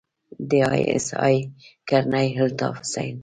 د آى اس آى کرنيل الطاف حسين.